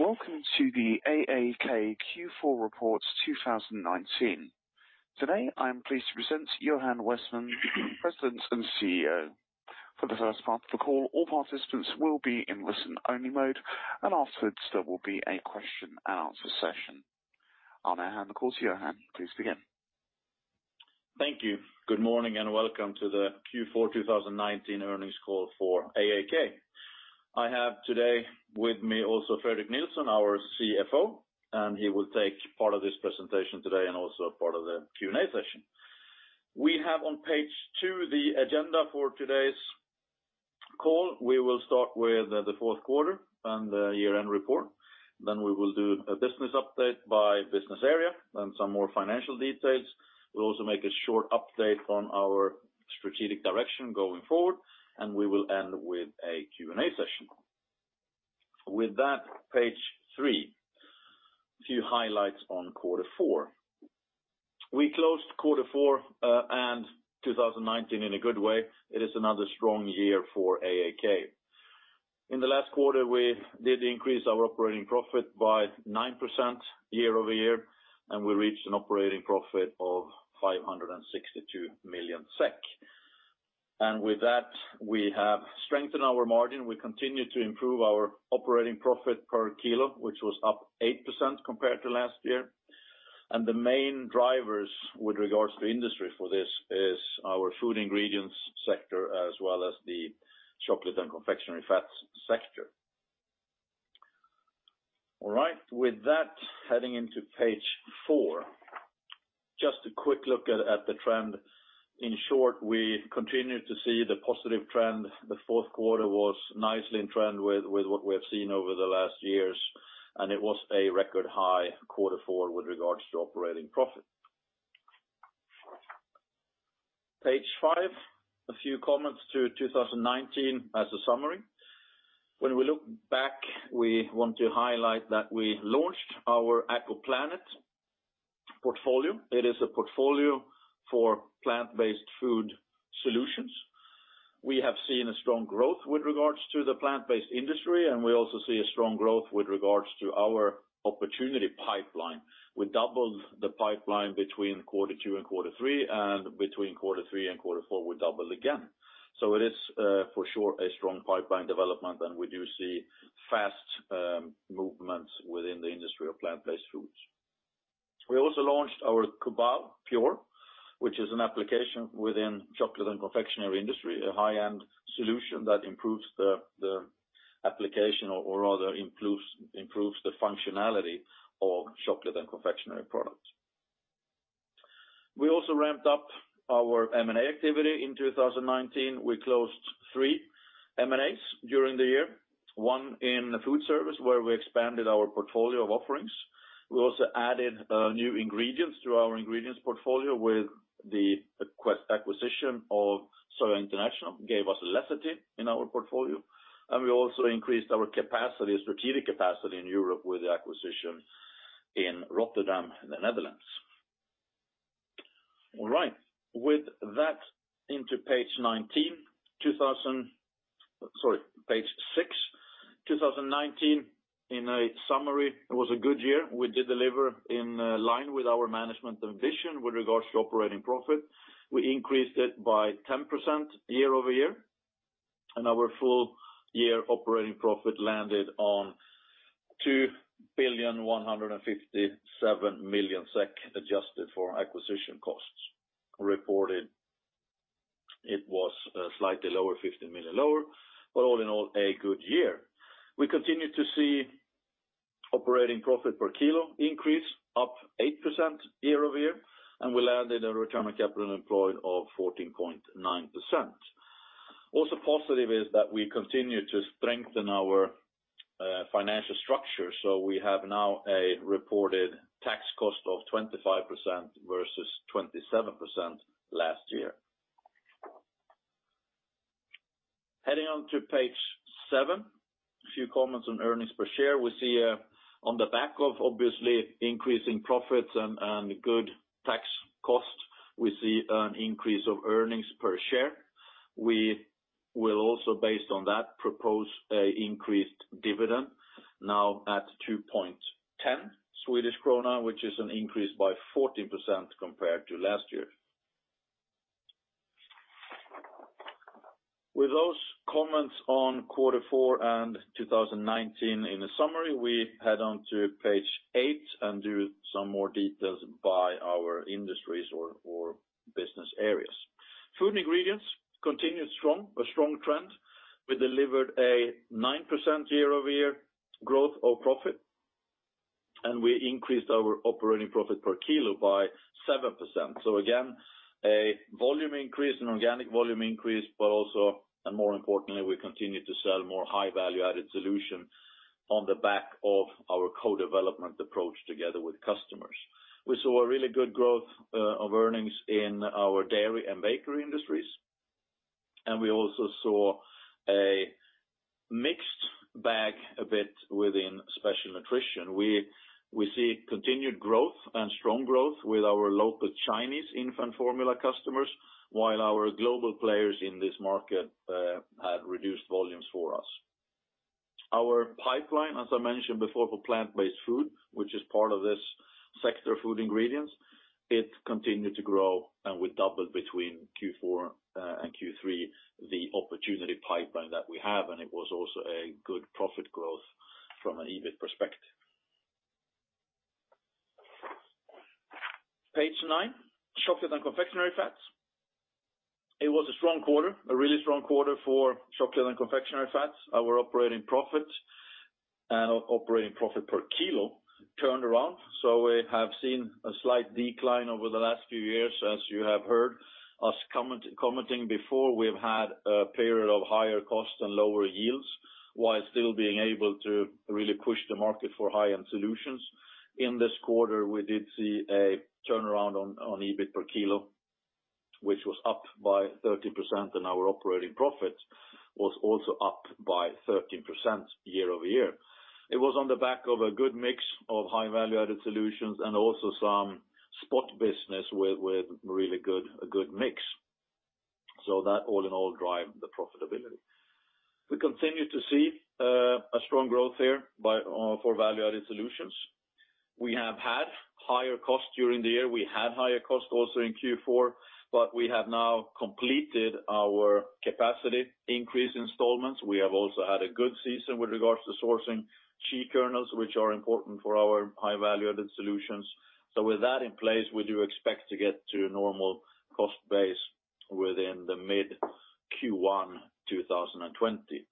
Welcome to the AAK Q4 Reports 2019. Today, I am pleased to present Johan Westman, President and CEO. For the first part of the call, all participants will be in listen-only mode, and afterwards there will be a question and answer session. I'll now hand the call to Johan. Please begin. Thank you. Good morning, welcome to the Q4 2019 Earnings Call for AAK. I have today with me also Fredrik Nilsson, our CFO, and he will take part of this presentation today and also a part of the Q&A session. We have on page two the agenda for today's call. We will start with the fourth quarter and the year-end report. We will do a business update by business area and some more financial details. We will also make a short update on our strategic direction going forward, and we will end with a Q&A session. With that, page three. A few highlights on quarter four. We closed quarter four and 2019 in a good way. It is another strong year for AAK. In the last quarter, we did increase our operating profit by 9% year-over-year, and we reached an operating profit of 562 million SEK. With that, we have strengthened our margin. We continue to improve our operating profit per kilo, which was up 8% compared to last year. The main drivers with regards to industry for this is our Food Ingredients sector, as well as the Chocolate & Confectionery Fats sector. All right. With that, heading into page four. Just a quick look at the trend. In short, we continue to see the positive trend. The fourth quarter was nicely in trend with what we have seen over the last years, and it was a record high quarter four with regards to operating profit. Page five, a few comments to 2019 as a summary. When we look back, we want to highlight that we launched our AkoPlanet portfolio. It is a portfolio for plant-based food solutions. We have seen a strong growth with regards to the plant-based industry, and we also see a strong growth with regards to our opportunity pipeline. We doubled the pipeline between quarter two and quarter three, and between quarter three and quarter four, we doubled again. It is for sure a strong pipeline development, and we do see fast movements within the industry of plant-based foods. We also launched our COBAO Pure, which is an application within chocolate and confectionery industry, a high-end solution that improves the application or rather improves the functionality of chocolate and confectionery products. We also ramped up our M&A activity in 2019. We closed three M&As during the year, one in the food service where we expanded our portfolio of offerings. We also added new ingredients to our ingredients portfolio with the acquisition of Soya International, gave us lecithin in our portfolio. We also increased our strategic capacity in Europe with the acquisition in Rotterdam, in the Netherlands. All right. With that, into page six. 2019, in a summary, it was a good year. We did deliver in line with our management ambition with regards to operating profit. We increased it by 10% year-over-year, our full-year operating profit landed on 2.157 billion Adjusted for acquisition costs. Reported, it was slightly lower, 15 million lower, all in all, a good year. We continue to see operating profit per kilo increase up 8% year-over-year, we landed a return on capital employed of 14.9%. Also positive is that we continue to strengthen our financial structure, we have now a reported tax cost of 25% versus 27% last year. Heading on to page seven. A few comments on earnings per share. We see on the back of obviously increasing profits and good tax cost, we see an increase of earnings per share. We will also, based on that, propose an increased dividend now at 2.10 Swedish krona, which is an increase by 14% compared to last year. With those comments on quarter four and 2019 in summary, we head on to page eight and do some more details by our industries or business areas. Food Ingredients continued strong, a strong trend. We delivered a 9% year-over-year growth of profit, and we increased our operating profit per kilo by 7%. Again, a volume increase, an organic volume increase, but also, more importantly, we continue to sell more high-value-added solution on the back of our co-development approach together with customers. We saw a really good growth of earnings in our dairy and bakery industries, and we also saw a mixed bag a bit within Special Nutrition. We see continued growth and strong growth with our local Chinese infant formula customers, while our global players in this market had reduced volumes for us. Our pipeline, as I mentioned before, for plant-based food, which is part of this sector Food Ingredients, it continued to grow, and we doubled between Q4 and Q3, the opportunity pipeline that we have, and it was also a good profit growth from an EBIT perspective. Page nine, Chocolate & Confectionery Fats. It was a really strong quarter for Chocolate & Confectionery Fats. Our operating profit and operating profit per kilo turned around, so we have seen a slight decline over the last few years. As you have heard us commenting before, we've had a period of higher costs and lower yields while still being able to really push the market for high-end solutions. In this quarter, we did see a turnaround on EBIT per kilo, which was up by 30%, and our operating profit was also up by 13% year-over-year. It was on the back of a good mix of high value-added solutions and also some spot business with a really good mix. That all in all drive the profitability. We continue to see a strong growth there for value-added solutions. We have had higher costs during the year. We had higher costs also in Q4, we have now completed our capacity increase installments. We have also had a good season with regards to sourcing shea kernels, which are important for our high value-added solutions. With that in place, we do expect to get to normal cost base within the mid Q1 2020.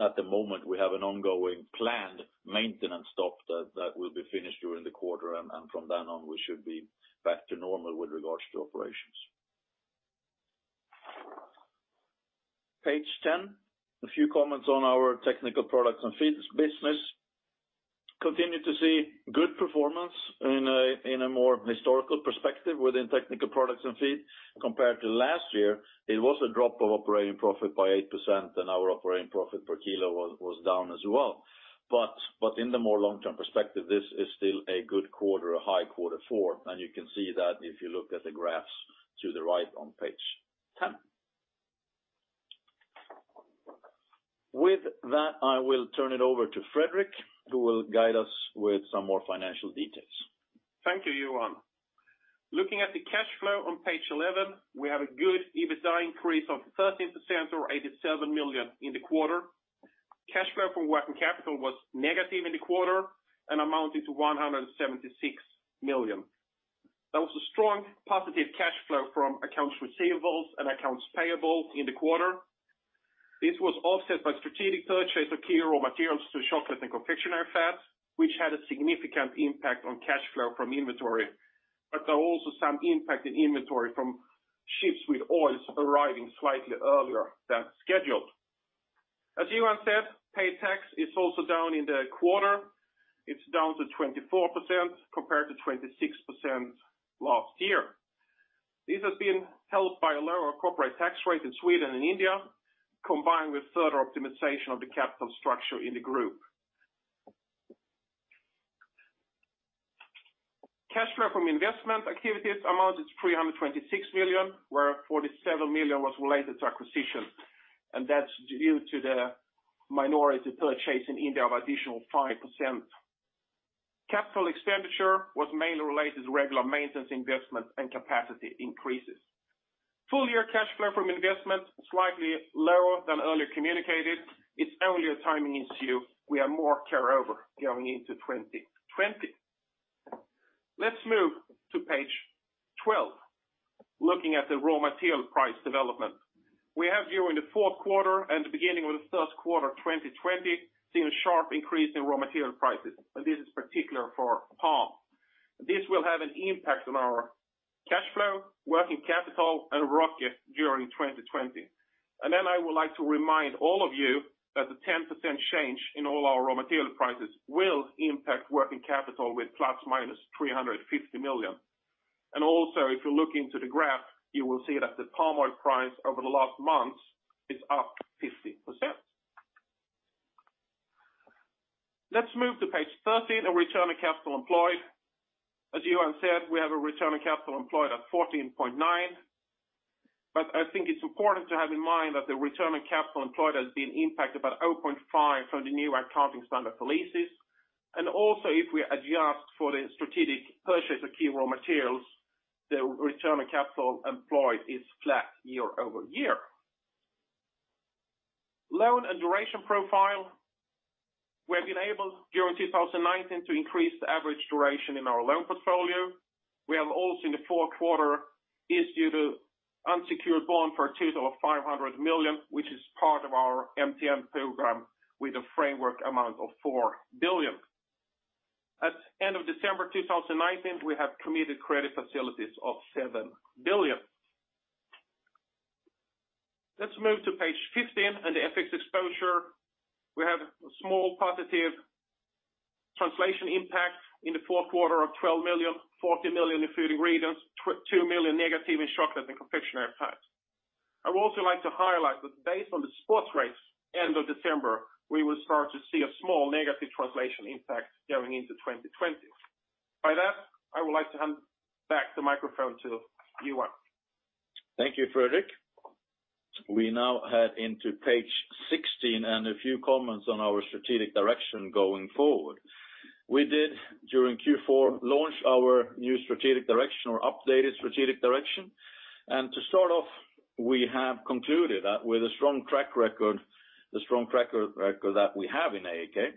At the moment, we have an ongoing planned maintenance stop that will be finished during the quarter, and from then on, we should be back to normal with regards to operations. Page 10, a few comments on our Technical Products & Feed business. We continue to see good performance in a more historical perspective within Technical Products & Feed compared to last year. It was a drop of operating profit by 8%, and our operating profit per kilo was down as well. In the more long-term perspective, this is still a good quarter, a high quarter four, and you can see that if you look at the graphs to the right on page 10. With that, I will turn it over to Fredrik, who will guide us with some more financial details. Thank you, Johan. Looking at the cash flow on page 11, we have a good EBITDA increase of 13% or 87 million in the quarter. Cash flow from working capital was negative in the quarter and amounted to 176 million. There was a strong positive cash flow from accounts receivables and accounts payable in the quarter. This was offset by strategic purchase of key raw materials to Chocolate & Confectionery Fats, which had a significant impact on cash flow from inventory, but there are also some impact in inventory from ships with oils arriving slightly earlier than scheduled. As Johan said, paid tax is also down in the quarter. It's down to 24% compared to 26% last year. This has been helped by a lower corporate tax rate in Sweden and India, combined with further optimization of the capital structure in the group. Cash flow from investment activities amounted 326 million, where 47 million was related to acquisition, and that's due to the minority purchase in India of additional 5%. Capital expenditure was mainly related to regular maintenance investment and capacity increases. Full year cash flow from investment, slightly lower than earlier communicated. It's only a timing issue. We have more carryover going into 2020. Let's move to page 12, looking at the raw material price development. We have here in the fourth quarter and the beginning of the first quarter 2020, seen a sharp increase in raw material prices. This is particular for palm. This will have an impact on our cash flow, working capital, and ROCE during 2020. I would like to remind all of you that the 10% change in all our raw material prices will impact working capital with plus or minus 350 million. If you look into the graph, you will see that the palm oil price over the last months is up 50%. Let's move to page 13 on return on capital employed. As Johan said, we have a return on capital employed at 14.9. I think it's important to have in mind that the return on capital employed has been impacted by 0.5 from the new accounting standard for leases. If we adjust for the strategic purchase of key raw materials, the return on capital employed is flat year-over-year. Loan and duration profile. We've been able during 2019 to increase the average duration in our loan portfolio. We have also in the fourth quarter issued an unsecured bond for a total of 500 million, which is part of our MTN program with a framework amount of 4 billion. At the end of December 2019, we have committed credit facilities of 7 billion. Let's move to page 15 and the FX exposure. We have a small positive translation impact in the fourth quarter of 12 million, 40 million in Food Ingredients, 2 million negative in Chocolate & Confectionery Fats. I would also like to highlight that based on the spot rates end of December, we will start to see a small negative translation impact going into 2020. By that, I would like to hand back the microphone to Johan. Thank you, Fredrik. We now head into page 16 and a few comments on our strategic direction going forward. We did, during Q4, launch our new strategic direction or updated strategic direction. To start off, we have concluded that with the strong track record that we have in AAK,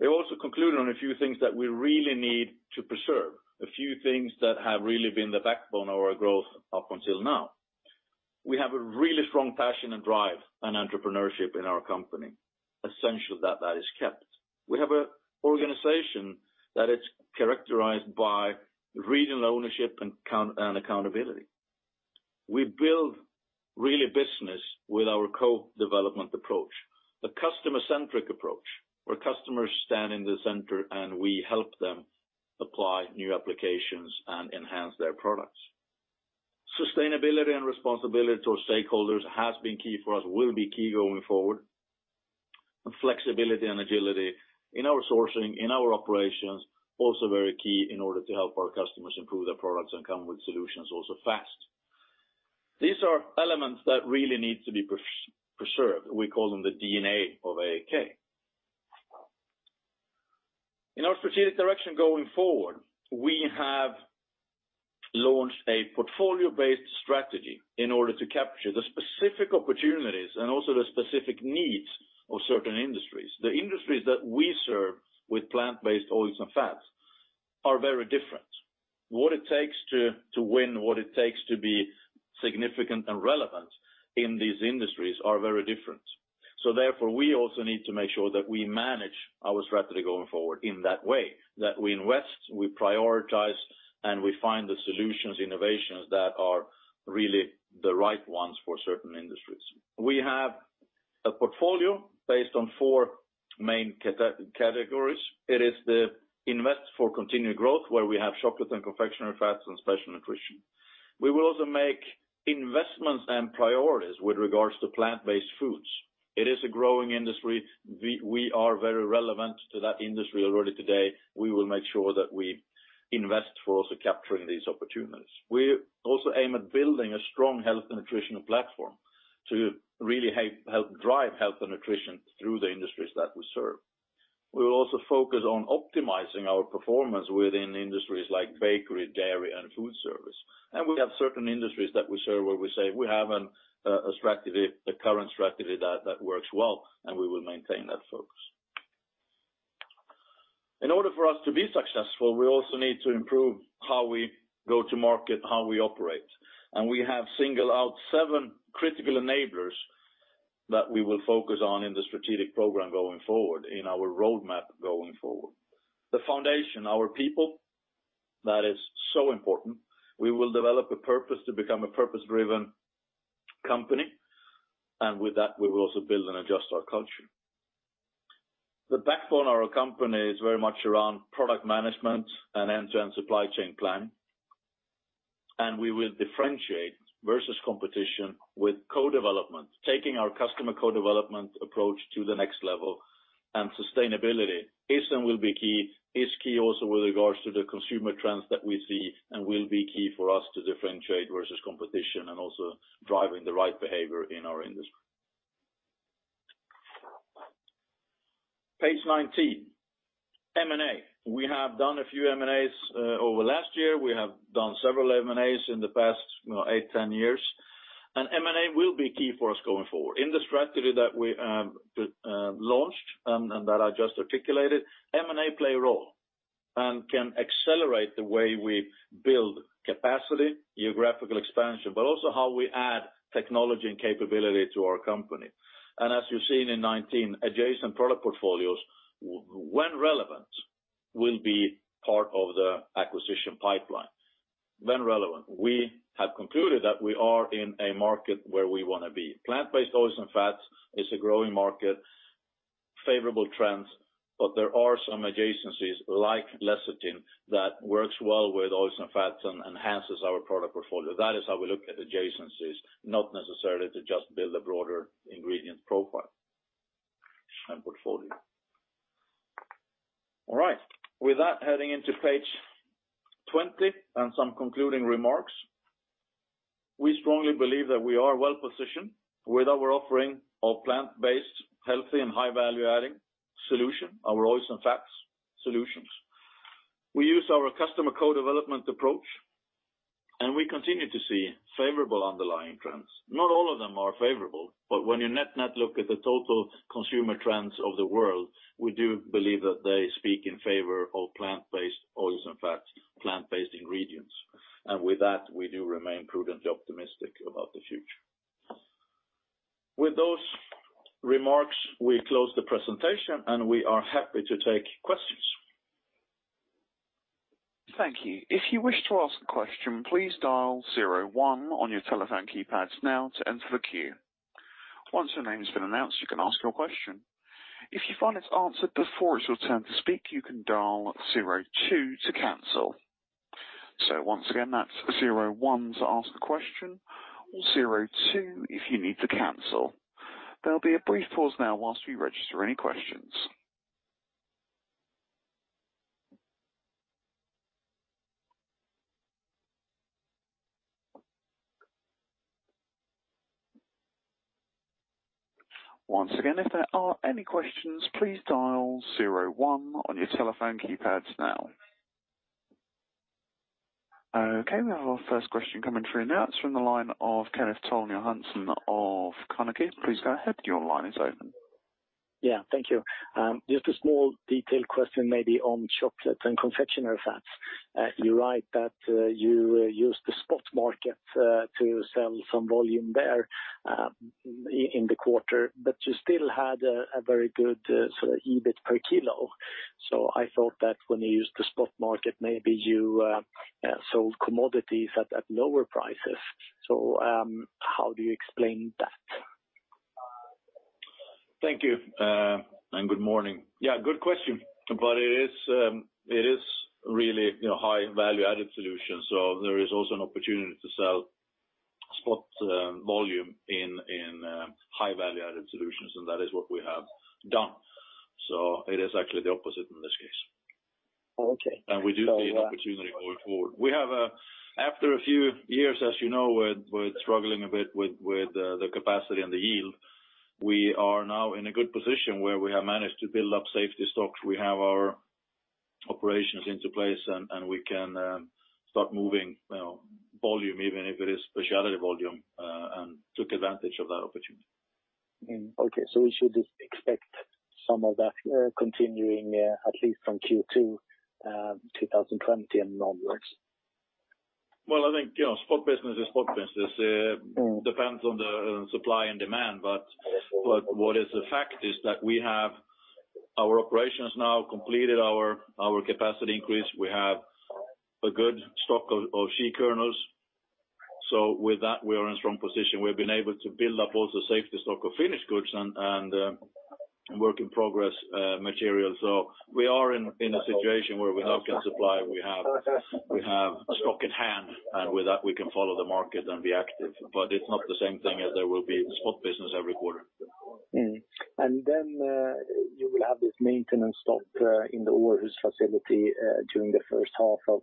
we also concluded on a few things that we really need to preserve, a few things that have really been the backbone of our growth up until now. We have a really strong passion and drive and entrepreneurship in our company. Essentially, that is kept. We have an organization that is characterized by regional ownership and accountability. We build really business with our co-development approach, the customer-centric approach, where customers stand in the center, and we help them apply new applications and enhance their products. Sustainability and responsibility to our stakeholders has been key for us, will be key going forward. Flexibility and agility in our sourcing, in our operations, also very key in order to help our customers improve their products and come with solutions also fast. These are elements that really need to be preserved. We call them the DNA of AAK. In our strategic direction going forward, we have launched a portfolio-based strategy in order to capture the specific opportunities and also the specific needs of certain industries. The industries that we serve with plant-based oils and fats are very different. What it takes to win, what it takes to be significant and relevant in these industries are very different. Therefore, we also need to make sure that we manage our strategy going forward in that way, that we invest, we prioritize, and we find the solutions, innovations that are really the right ones for certain industries. We have a portfolio based on four main categories. It is the invest for continued growth, where we have Chocolate & Confectionery Fats and Special Nutrition. We will also make investments and priorities with regards to plant-based foods. It is a growing industry. We are very relevant to that industry already today. We will make sure that we invest for also capturing these opportunities. We also aim at building a strong health and nutritional platform to really help drive health and nutrition through the industries that we serve. We will also focus on optimizing our performance within industries like bakery, dairy, and food service. We have certain industries that we serve where we say we have a current strategy that works well, and we will maintain that focus. In order for us to be successful, we also need to improve how we go to market, how we operate. We have singled out seven critical enablers that we will focus on in the strategic program going forward, in our roadmap going forward. The foundation, our people, that is so important. We will develop a purpose to become a purpose-driven company, and with that, we will also build and adjust our culture. The backbone of our company is very much around product management and end-to-end supply chain plan, and we will differentiate versus competition with co-development, taking our customer co-development approach to the next level, and sustainability is and will be key, is key also with regards to the consumer trends that we see and will be key for us to differentiate versus competition and also driving the right behavior in our industry. Page 19, M&A. We have done a few M&As over last year. We have done several M&As in the past eight, 10 years, and M&A will be key for us going forward. In the strategy that we launched and that I just articulated, M&A play a role and can accelerate the way we build capacity, geographical expansion, but also how we add technology and capability to our company. As you're seeing in 19, adjacent product portfolios, when relevant, will be part of the acquisition pipeline. When relevant. We have concluded that we are in a market where we want to be. Plant-based oils and fats is a growing market, favorable trends. There are some adjacencies like lecithin that works well with oils and fats and enhances our product portfolio. That is how we look at adjacencies, not necessarily to just build a broader ingredient profile and portfolio. All right. With that, heading into page 20 and some concluding remarks. We strongly believe that we are well-positioned with our offering of plant-based, healthy, and high-value adding solution, our oils and fats solutions. We use our customer co-development approach. We continue to see favorable underlying trends. Not all of them are favorable, but when you net look at the total consumer trends of the world, we do believe that they speak in favor of plant-based oils and fats, plant-based ingredients. With that, we do remain prudently optimistic about the future. With those remarks, we close the presentation and we are happy to take questions. Thank you. We have our first question coming through now. It's from the line of Kenneth Toll Johansson of Carnegie. Please go ahead. Your line is open. Thank you. Just a small detail question maybe on Chocolate & Confectionery Fats. You write that you use the spot market to sell some volume there in the quarter, but you still had a very good EBIT per kilo. I thought that when you use the spot market, maybe you sold commodities at lower prices. How do you explain that? Thank you. Good morning. Good question. It is really high-value added solution. There is also an opportunity to sell spot volume in high-value added solutions, and that is what we have done. It is actually the opposite in this case. Okay. We do see an opportunity going forward. After a few years, as you know, with struggling a bit with the capacity and the yield, we are now in a good position where we have managed to build up safety stocks. We have our operations into place, and we can start moving volume even if it is specialty volume, and took advantage of that opportunity. Okay. We should expect some of that continuing at least from Q2 2020 and onwards? Well, I think, spot business is spot business. Depends on the supply and demand, what is the fact is that we have our operations now completed our capacity increase. We have a good stock of shea kernels. With that, we are in a strong position. We've been able to build up also safety stock of finished goods and work in progress material. We are in a situation where we have good supply, we have stock at hand, and with that, we can follow the market and be active. It's not the same thing as there will be spot business every quarter. You will have this maintenance stop in the Aarhus facility during the first half of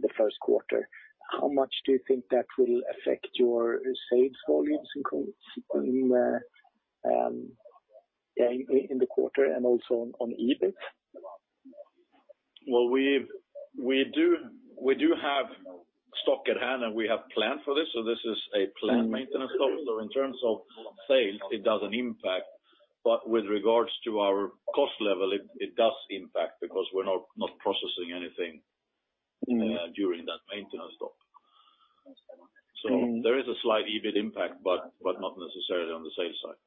the first quarter. How much do you think that will affect your sales volumes in the quarter and also on EBIT? We do have stock at hand, and we have planned for this, so this is a planned maintenance stop. In terms of sales, it doesn't impact, but with regards to our cost level, it does impact because we're not processing anything during that maintenance stop. There is a slight EBIT impact, but not necessarily on the sales side.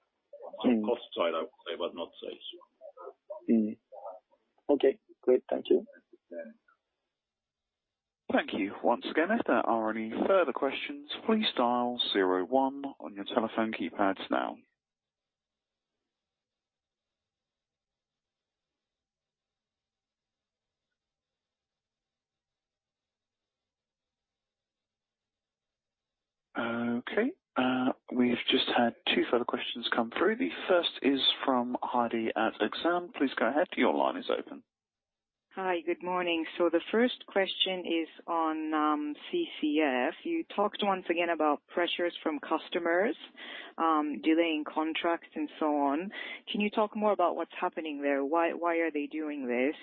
On cost side, I would say, but not sales. Okay, great. Thank you. Thank you. Okay, we've just had two further questions come through. The first is from Heidi at Exane. Please go ahead. Your line is open. Hi, good morning. The first question is on CCF. You talked once again about pressures from customers, delaying contracts and so on. Can you talk more about what's happening there? Why are they doing this?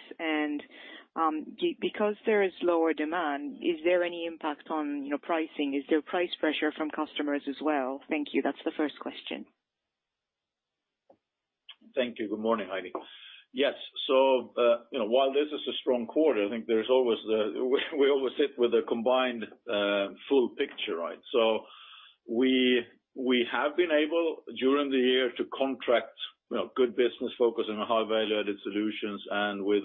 Because there is lower demand, is there any impact on pricing? Is there price pressure from customers as well? Thank you. That's the first question. Thank you. Good morning, Heidi. Yes. While this is a strong quarter, I think we always sit with a combined full picture, right? We have been able during the year to contract good business focus on a high-value added solutions, and with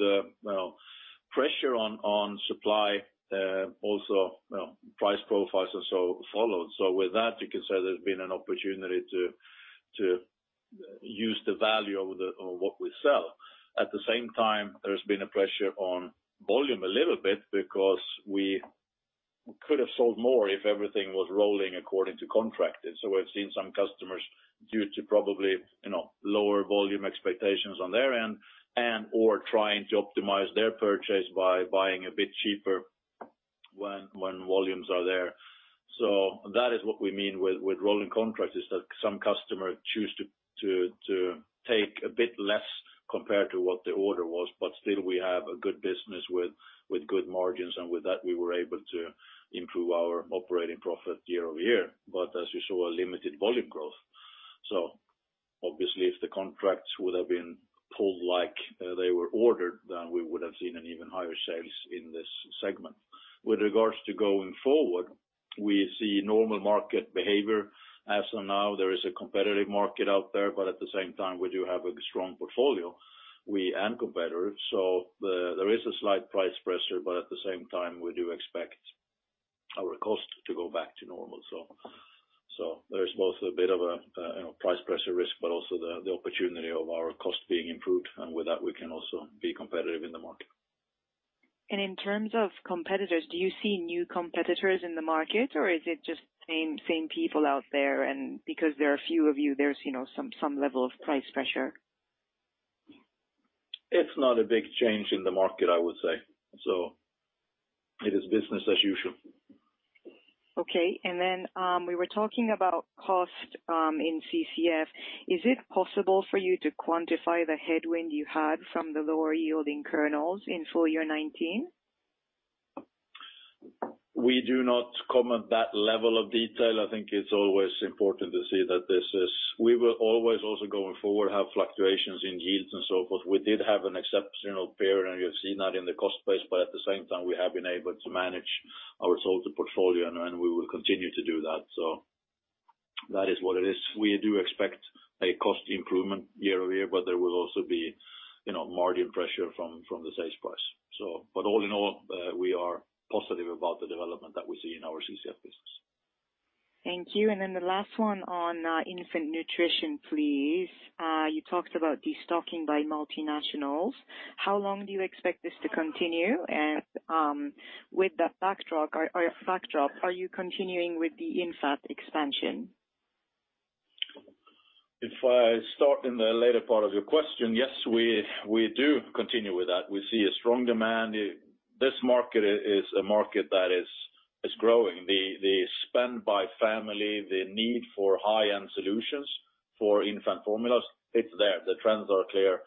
pressure on supply, also price profiles or so followed. With that, you can say there's been an opportunity to use the value of what we sell. At the same time, there's been a pressure on volume a little bit because we could have sold more if everything was rolling according to contracted. We've seen some customers due to probably lower volume expectations on their end and/or trying to optimize their purchase by buying a bit cheaper when volumes are there. That is what we mean with rolling contracts, is that some customers choose to take a bit less compared to what the order was. Still we have a good business with good margins, and with that we were able to improve our operating profit year-over-year. As you saw, a limited volume growth. Obviously, if the contracts would have been pulled like they were ordered, then we would have seen an even higher sales in this segment. With regards to going forward, we see normal market behavior. As of now, there is a competitive market out there, but at the same time, we do have a strong portfolio. We are competitive, so there is a slight price pressure, but at the same time, we do expect our cost to go back to normal. There's both a bit of a price pressure risk, but also the opportunity of our cost being improved, and with that, we can also be competitive in the market. In terms of competitors, do you see new competitors in the market, or is it just same people out there, and because there are a few of you, there's some level of price pressure? It's not a big change in the market, I would say. It is business as usual. Okay. Then we were talking about cost in CCF. Is it possible for you to quantify the headwind you had from the lower-yielding kernels in full year 2019? We do not comment that level of detail. I think it's always important to see that we will always also going forward have fluctuations in yields and so forth. We did have an exceptional period, and you have seen that in the cost base. At the same time, we have been able to manage our total portfolio, and we will continue to do that. That is what it is. We do expect a cost improvement year-over-year, but there will also be margin pressure from the sales price. All in all, we are positive about the development that we see in our CCF business. Thank you. The last one on Infant Nutrition, please. You talked about destocking by multinationals. How long do you expect this to continue? With that fact drop, are you continuing with the infant expansion? If I start in the later part of your question, yes, we do continue with that. We see a strong demand. This market is a market that is growing. The spend by family, the need for high-end solutions for infant formulas, it's there. The trends are clear.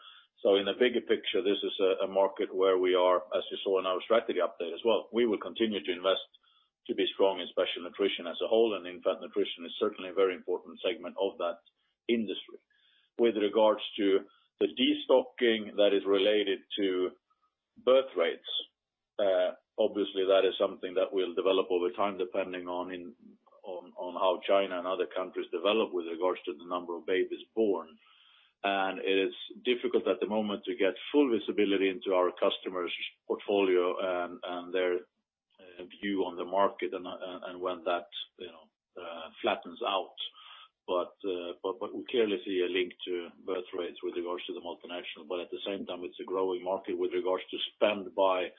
In the bigger picture, this is a market where we are, as you saw in our strategy update as well, we will continue to invest to be strong in Special Nutrition as a whole, and Infant Nutrition is certainly a very important segment of that industry. With regards to the destocking that is related to birth rates, obviously, that is something that will develop over time, depending on how China and other countries develop with regards to the number of babies born. It is difficult at the moment to get full visibility into our customers' portfolio and their view on the market and when that flattens out. We clearly see a link to birth rates with regards to the multinational. At the same time, it's a growing market with regards to spend by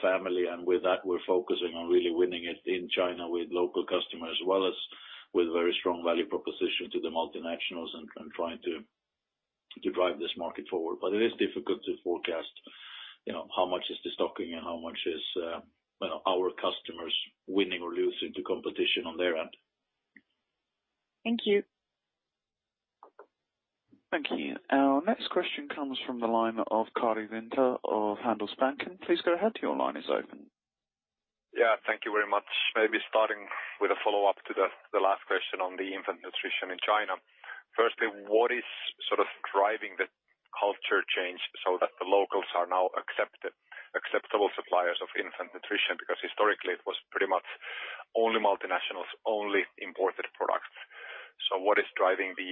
family, and with that, we're focusing on really winning it in China with local customers as well as with very strong value proposition to the multinationals and trying to drive this market forward. It is difficult to forecast how much is destocking and how much is our customers winning or losing to competition on their end. Thank you. Thank you. Our next question comes from the line of Karri Rinta of Handelsbanken. Please go ahead. Your line is open. Yeah, thank you very much. Maybe starting with a follow-up to the last question on the Infant Nutrition in China. Firstly, what is driving the culture change so that the locals are now acceptable suppliers of Infant Nutrition? Historically, it was pretty much only multinationals, only imported products. What is driving the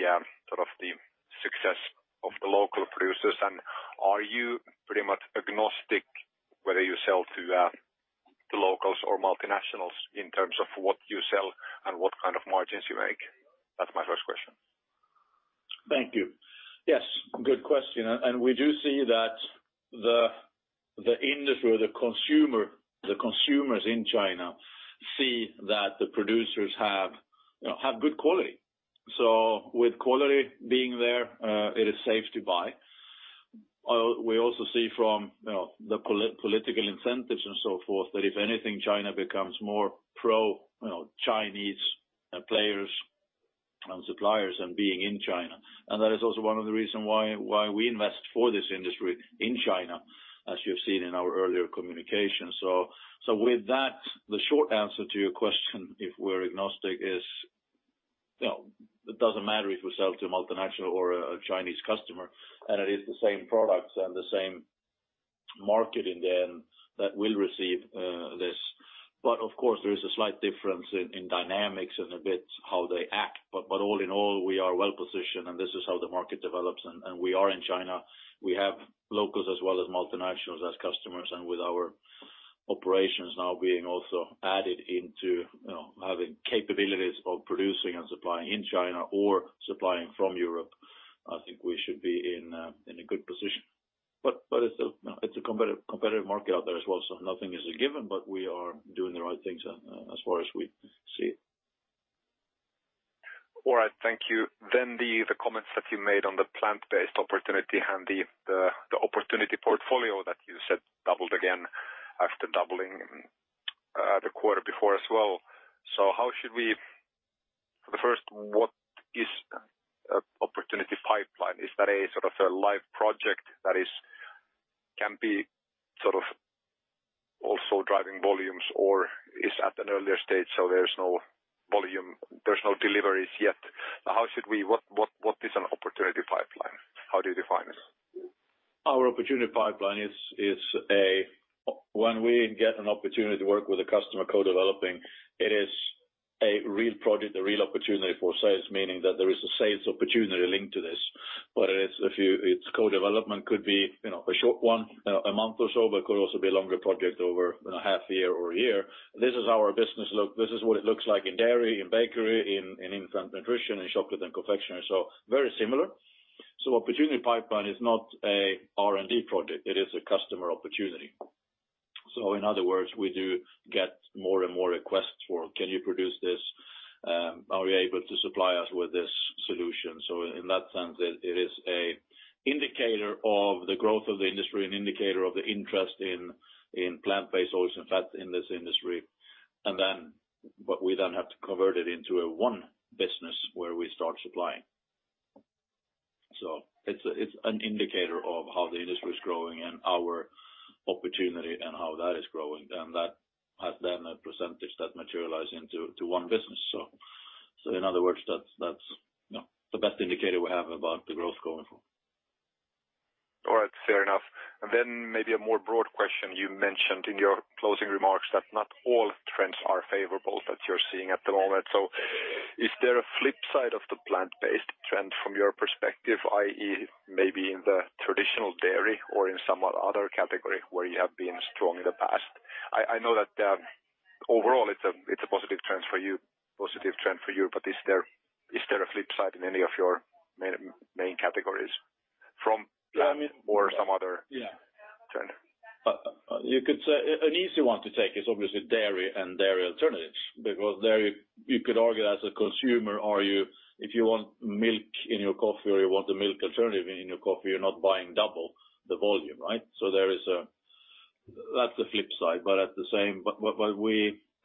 success of the local producers? Are you pretty much agnostic whether you sell to the locals or multinationals in terms of what you sell and what kind of margins you make? That's my first question. Thank you. Yes, good question. We do see that the industry or the consumers in China see that the producers have good quality. With quality being there, it is safe to buy. We also see from the political incentives and so forth that if anything, China becomes more pro-Chinese players and suppliers and being in China. That is also one of the reason why we invest for this industry in China, as you've seen in our earlier communication. With that, the short answer to your question if we're agnostic is, it doesn't matter if we sell to a multinational or a Chinese customer, and it is the same products and the same market in the end that will receive this. Of course, there is a slight difference in dynamics and a bit how they act. All in all, we are well-positioned, and this is how the market develops. We are in China. We have locals as well as multinationals as customers, and with our operations now being also added into having capabilities of producing and supplying in China or supplying from Europe, I think we should be in a good position. It's a competitive market out there as well, so nothing is a given, but we are doing the right things as far as we see. All right. Thank you. The comments that you made on the plant-based opportunity and the opportunity portfolio that you said doubled again after doubling the quarter before as well. First, what is opportunity pipeline? Is that a live project that can be also driving volumes or is at an earlier stage, so there's no deliveries yet? What is an opportunity pipeline? How do you define it? Our opportunity pipeline is when we get an opportunity to work with a customer co-developing, it is a real project, a real opportunity for sales, meaning that there is a sales opportunity linked to this. Its co-development could be a short one month or so, but could also be a longer project over half a year or one year. This is our business look. This is what it looks like in dairy, in bakery, in Infant Nutrition, in Chocolate and Confectionery. Very similar. Opportunity pipeline is not an R&D project. It is a customer opportunity. In other words, we do get more and more requests for, "Can you produce this? Are we able to supply us with this solution?" In that sense, it is an indicator of the growth of the industry and an indicator of the interest in plant-based oils and fats in this industry. We then have to convert it into a one business where we start supplying. It's an indicator of how the industry is growing and our opportunity and how that is growing. That has then a percentage that materialize into one business. In other words, that's the best indicator we have about the growth going forward. All right. Fair enough. Maybe a more broad question. You mentioned in your closing remarks that not all trends are favorable that you're seeing at the moment. Is there a flip side of the plant-based trend from your perspective, i.e., maybe in the traditional dairy or in some other category where you have been strong in the past? I know that overall it's a positive trend for you, but is there a flip side in any of your main categories from plant-based. Yeah Trend? You could say an easy one to take is obviously dairy and dairy alternatives, because dairy, you could argue as a consumer, if you want milk in your coffee or you want a milk alternative in your coffee, you're not buying double the volume, right? That's the flip side.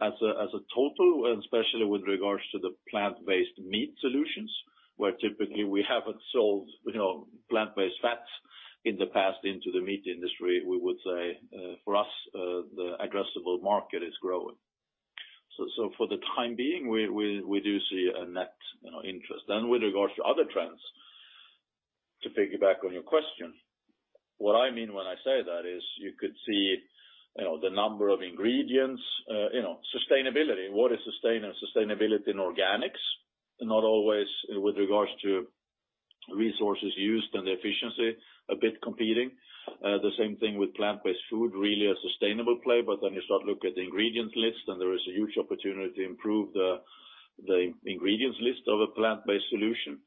As a total, and especially with regards to the plant-based meat solutions, where typically we haven't sold plant-based fats in the past into the meat industry, we would say, for us, the addressable market is growing. For the time being, we do see a net interest. With regards to other trends, to piggyback on your question, what I mean when I say that is you could see the number of ingredients, sustainability, and what is sustainability in organics, not always with regards to resources used and the efficiency, a bit competing. The same thing with plant-based food, really a sustainable play, but then you start look at the ingredient list, and there is a huge opportunity to improve the ingredients list of a plant-based solution.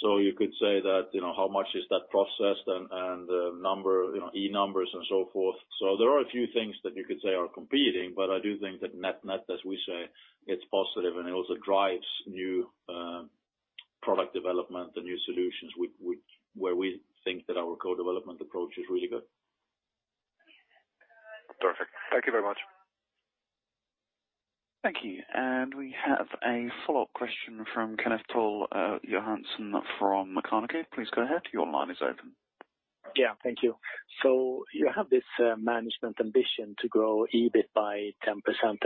You could say that, how much is that processed and the E numbers and so forth. There are a few things that you could say are competing, but I do think that net-net, as we say, it's positive, and it also drives new product development and new solutions where we think that our co-development approach is really good. Perfect. Thank you very much. Thank you. We have a follow-up question from Kenneth Toll Johansson from Carnegie. Please go ahead. Your line is open. Yeah. Thank you. You have this management ambition to grow EBIT by 10%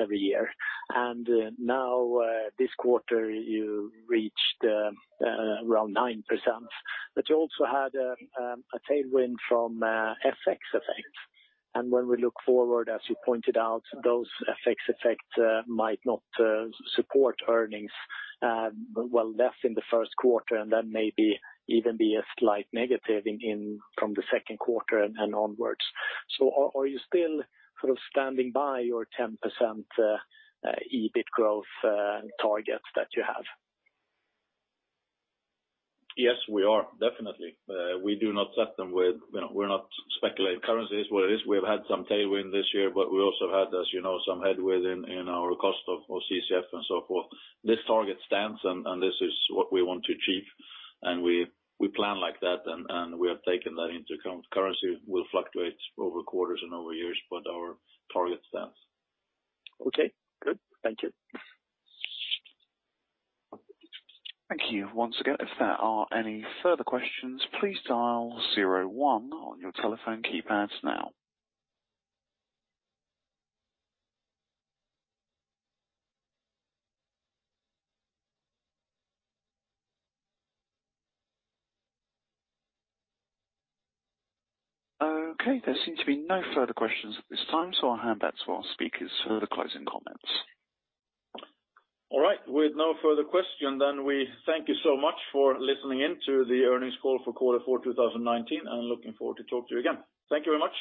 every year. Now, this quarter, you reached around 9%. You also had a tailwind from FX effects. When we look forward, as you pointed out, those FX effects might not support earnings, well, less in the first quarter, and then maybe even be a slight negative from the second quarter and onwards. Are you still sort of standing by your 10% EBIT growth target that you have? Yes, we are, definitely. We do not set them. We're not speculating. Currency is what it is. We've had some tailwind this year, but we also had, as you know, some headwind in our cost of CCF and so forth. This target stands, and this is what we want to achieve, and we plan like that, and we have taken that into account. Currency will fluctuate over quarters and over years, but our target stands. Okay, good. Thank you. Thank you. Okay, there seem to be no further questions at this time, so I'll hand back to our speakers for the closing comments. All right. With no further question, then we thank you so much for listening in to the earnings call for quarter four 2019, and looking forward to talk to you again. Thank you very much.